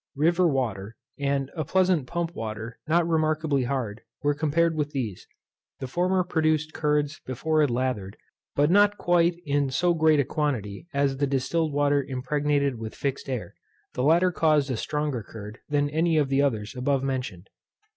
River water, and a pleasant pump water not remarkably hard, were compared with these. The former produced curds before it lathered, but not quite in so great a quantity as the distilled water impregnated with fixed air: the latter caused a stronger curd than any of the others above mentioned.